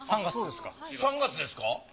３月ですか？